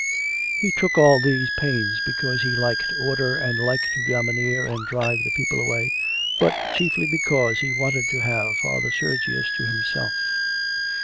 He took all these pains because he liked order and liked to domineer and drive the people away, but chiefly because he wanted to have Father Sergius to himself.